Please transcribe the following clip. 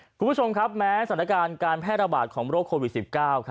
คุณผู้ชมครับแม้สถานการณ์การแพร่ระบาดของโรคโควิด๑๙